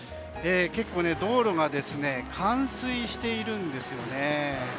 結構、道路が冠水しているんですよね。